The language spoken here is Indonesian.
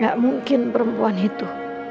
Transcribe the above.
tidak mungkin perempuan itu